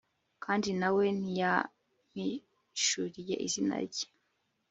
kandi na we ntiyampishuriye izina rye